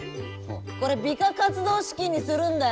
これ美化活動資金にするんだよ！